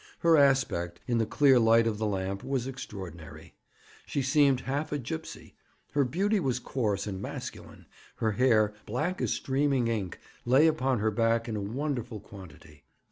Her aspect, in the clear light of the lamp, was extraordinary. She seemed half a gipsy. Her beauty was coarse and masculine; her hair, black as streaming ink, lay upon her back in a wonderful quantity.